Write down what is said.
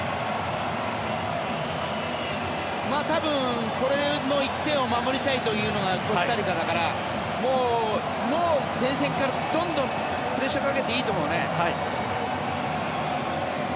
多分この１点を守りたいというのがコスタリカだからもう前線からどんどんプレッシャーをかけていいと思うね。